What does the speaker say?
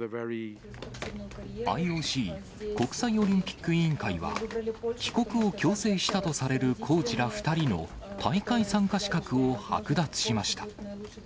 ＩＯＣ・国際オリンピック委員会は、帰国を強制したとされるコーチら２人の大会参加資格を剥奪しました。